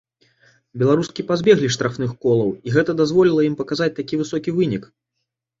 Беларускі пазбеглі штрафных колаў і гэта дазволіла ім паказаць такі высокі вынік.